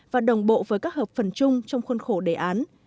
và đồng bộ với các hợp phần chung trong khuôn khổ đề án